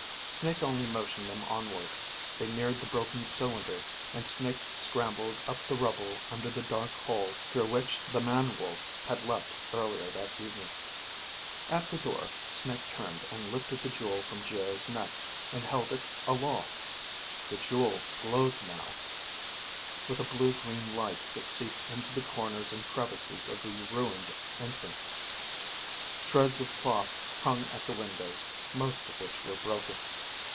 Snake only motioned them onward. They neared the broken cylinder and Snake scrambled up the rubble under the dark hole through which the man wolf had leaped earlier that evening. At the door, Snake turned and lifted the jewel from Geo's neck, and held it aloft. The jewel glowed now, with a blue green light that seeped into the corners and crevices of the ruined entrance. Shreds of cloth hung at the windows, most of which were broken.